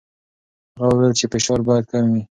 هغه وویل چې فشار باید کم وي.